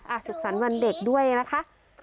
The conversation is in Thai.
อ่ะศึกษันวันเด็กด้วยนะคะ